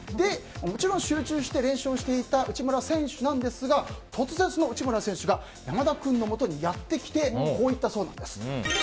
もちろん集中して練習していた内村選手なんですが突然、その内村選手が山田君のもとにやってきてこう言ったそうなんです。